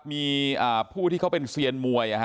มีผู้ที่เขาเป็นเซียนมวย